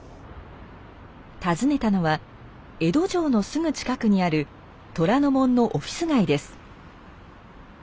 訪ねたのは江戸城のすぐ近くにある虎ノ門のオフィス街です。